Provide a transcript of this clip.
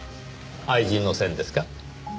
愛人の線ですか？